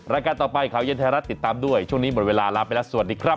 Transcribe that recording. รายการต่อไปข่าวเย็นไทยรัฐติดตามด้วยช่วงนี้หมดเวลาลาไปแล้วสวัสดีครับ